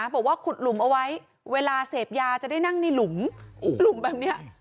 บอกว่าขุดหลุมเอาไว้เวลาเสพยาจะได้นั่งในหลุมหลุมแบบนี้